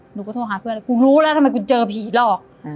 หนูก็โทรหาเพื่อนกูรู้แล้วทำไมกูเจอผีหลอก